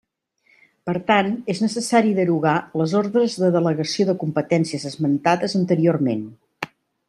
Per tant, és necessari derogar les ordres de delegació de competències esmentades anteriorment.